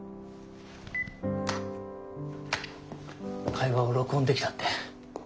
会話を録音できたって。